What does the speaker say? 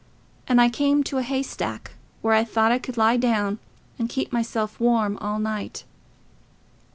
And I came to a haystack, where I thought I could lie down and keep myself warm all night.